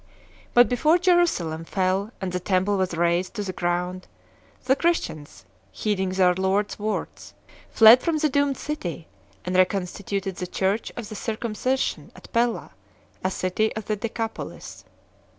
But before Jerusalem fell and the Temple was razed to the ground, the Christ ians, heeding their Lord s words, fled from the doomed city, and reconstituted the Church of the Circumcision at ?ella, a city of the Decapolis.